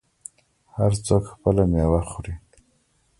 هر څوک خپله میوه خوري.